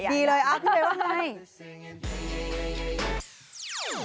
ดีเลยอาจเป็นว่าไง